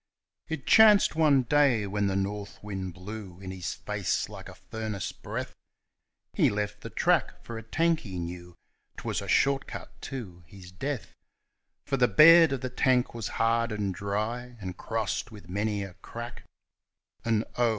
It chanced one day, when the north wind blew in his face like a furnace breath, He left the track for a tank he knew 'twas a short cut to his death; For the bed of the tank was hard and dry, and crossed with many a crack, And, oh!